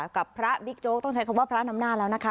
กับพระบิ๊กโจ๊กต้องใช้คำว่าพระนำหน้าแล้วนะคะ